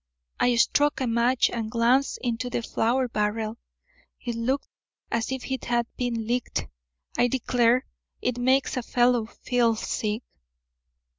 I struck a match and glanced into the flour barrel. It looked as if it had been licked. I declare, it makes a fellow feel sick."